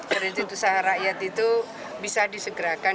dari tentu usaha rakyat itu bisa disegerakan